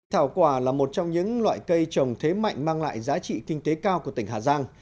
thảo quả là một trong những loại cây trồng thế mạnh mang lại giá trị kinh tế cao của tỉnh hà giang